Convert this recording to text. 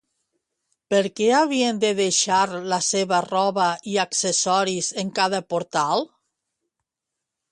Per què havien de deixar la seva roba i accessoris en cada portal?